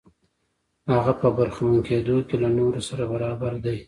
هغه په برخمن کېدو کې له نورو سره برابر دی.